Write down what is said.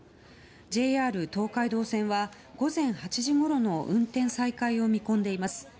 ＪＲ東海道線は午前８時ごろの運転再開を見込んでいます。